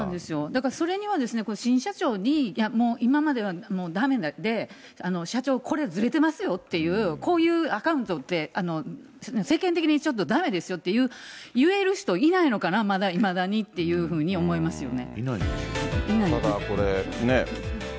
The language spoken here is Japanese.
だからそれには新社長に、今まではだめで、社長、これずれてますよっていう、こういうアカウントって、世間的にちょっとだめですよって言える人、いないのかな、まだいまだにっていうふうに思いますよね。